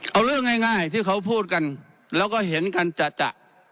เอาเรื่องง่ายที่เขาพูดกันแล้วก็เห็นกันจะ